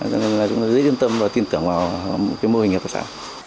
cho nên là chúng tôi rất yên tâm và tin tưởng vào cái mô hình hợp tác xã